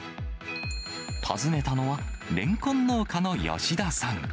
訪ねたのは、レンコン農家の吉田さん。